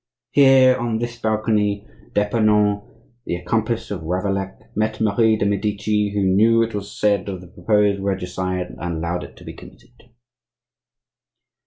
"Here, on this balcony, d'Epernon, the accomplice of Ravaillac, met Marie de' Medici, who knew, it was said, of the proposed regicide, and allowed it to be committed."